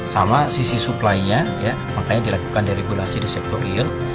sama sisi supply nya ya makanya dilakukan deregulasi di sektor real